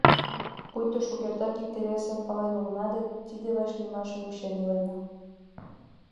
Пуйто шукертак икте-весым пален улына да тиде вашлиймашым вучен иленна...